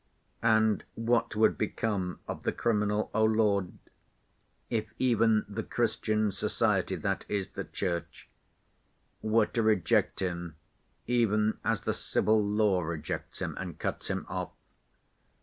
And what would become of the criminal, O Lord, if even the Christian society—that is, the Church—were to reject him even as the civil law rejects him and cuts him off?